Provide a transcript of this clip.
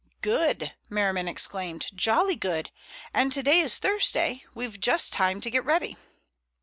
"Good!" Merriman exclaimed. "Jolly good! And today is Thursday. We've just time to get ready."